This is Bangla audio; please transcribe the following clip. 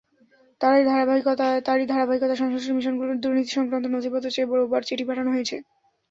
তারই ধারাবাহিকতায় সংশ্লিষ্ট মিশনগুলোর দুর্নীতিসংক্রান্ত নথিপত্র চেয়ে রোববার চিঠি পাঠানো হয়েছে।